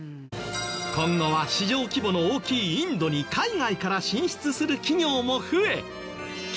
今後は市場規模の大きいインドに海外から進出する企業も増え。